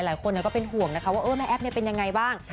หลายคนก็เป็นห่วงนะคะว่าแม่แอ๊บเป็นยังไงบ้าง